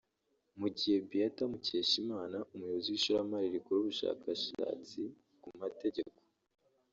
mu gihe Beatha Mukeshimana umuyobozi w’Ishami rikora Ubushakshatsi ku mategeko